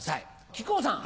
木久扇さん。